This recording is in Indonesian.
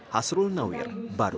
hasrul nawir baru